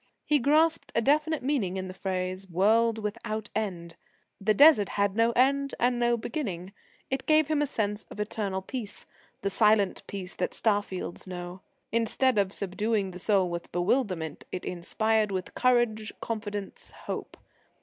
He grasped a definite meaning in the phrase "world without end": the Desert had no end and no beginning. It gave him a sense of eternal peace, the silent peace that star fields know. Instead of subduing the soul with bewilderment, it inspired with courage, confidence, hope.